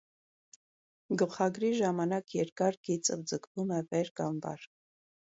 Գլխագրի ժամանակ երկար գիծը ձգվում է վեր կամ վար։